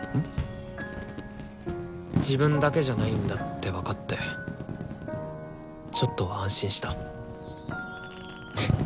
「自分だけじゃないんだ」って分かってちょっと安心した。